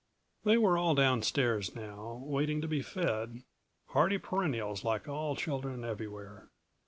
12 They were all downstairs now, waiting to be fed, hardy perennials like all children everywhere.